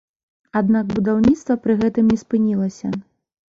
Аднак будаўніцтва пры гэтым не спынілася.